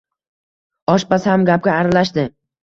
Oshpaz ham gapga aralashdi: